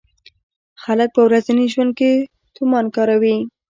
خلک په ورځني ژوند کې تومان کاروي.